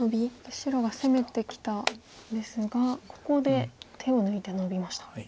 白が攻めてきたんですがここで手を抜いてノビました。